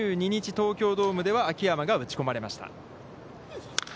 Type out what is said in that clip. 東京ドームでは秋山が打ち込まれました。